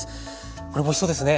これもおいしそうですね。